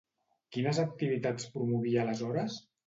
Quines activitats promovia aleshores?